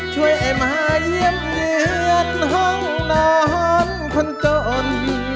ให้มาเยี่ยมเยือนห้องนอนคนจน